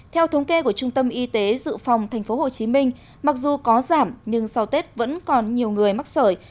theo thống kê của trung tâm y tế dự phòng tp hcm mặc dù có giảm nhưng sau tết vẫn còn nhiều người mắc sởi